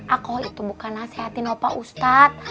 aku itu bukan nasihatin opa ustad